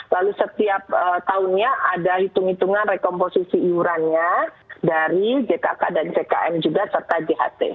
lalu setiap tahunnya ada hitung hitungan rekomposisi iurannya dari jkk dan ckm juga serta jht